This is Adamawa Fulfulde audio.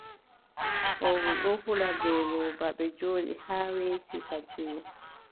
Fowru ɗon hula ngeelooba, ɓe njooɗi haa weeti fajiri.